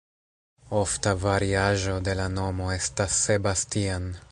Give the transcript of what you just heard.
Ofta variaĵo de la nomo estas "Sebastian".